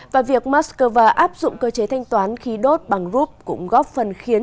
và việc moscow áp dụng cơ chế thanh toán khí đốt bằng rub cũng góp phần khiến